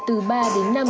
từ ba đến năm triệu